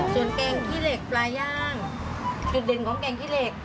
ส่วนแกงขี้เหล็กปลาย่างจุดเด่นของแกงขี้เหล็ก